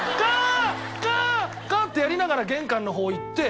カアーッ！ってやりながら玄関の方行って。